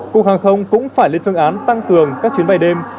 cục hàng không cũng phải lên phương án tăng cường các chuyến bay đêm